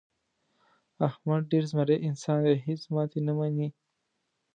احمد ډېر زمری انسان دی. هېڅ ماتې نه مني.